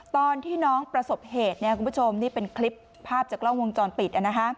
ตอนที่น้องประสบเหตุคุณผู้ชมนี่เป็นคลิปภาพจากกล้องวงจรปิด